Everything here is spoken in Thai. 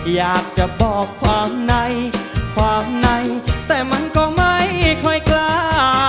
อยากจะบอกความในความในแต่มันก็ไม่ค่อยกล้า